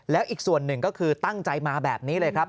แล้วอีกส่วนหนึ่งก็คือตั้งใจมาแบบนี้เลยครับ